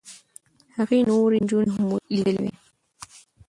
هغې نورې نجونې هم لیدلې وې.